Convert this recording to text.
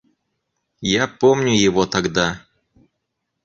Я помню его тогда.